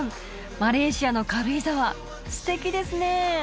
マレーシアの軽井沢素敵ですね